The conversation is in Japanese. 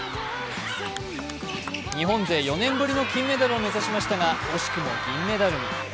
日本勢４年ぶりの金メダルを目指しましたが惜しくも銀メダルに。